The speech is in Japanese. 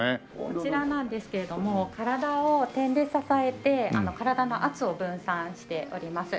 こちらなんですけれども体を点で支えて体の圧を分散しております。